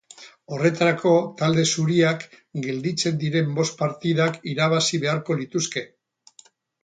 Horretarako, talde zuriak gelditzen diren bost partidak irabazi beharko lituzke.